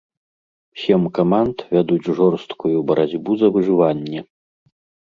Сем каманд вядуць жорсткую барацьбу за выжыванне.